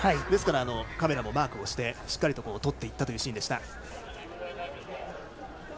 ですからカメラもマークしてしっかり撮っていたシーンでした。